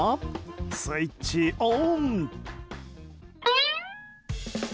スイッチ、オン。